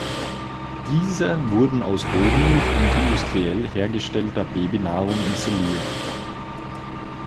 Diese wurden aus Rohmilch und industriell hergestellter Babynahrung isoliert.